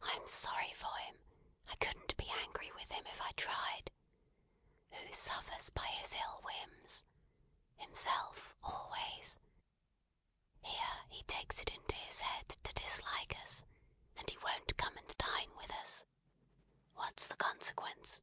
"I am sorry for him; I couldn't be angry with him if I tried. Who suffers by his ill whims! Himself, always. Here, he takes it into his head to dislike us, and he won't come and dine with us. What's the consequence?